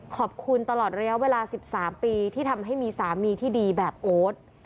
ตลอดระยะเวลา๑๓ปีที่ทำให้มีสามีที่ดีแบบโอ๊ต